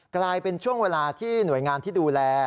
กลายเป็นช่วงเวลาที่หน่วยงานที่ดูแล